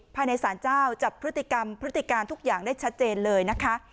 ภายในสารเจ้าจับพฤติกรรมพฤติการทุกอย่างได้ชัดเจนเลยนะคะ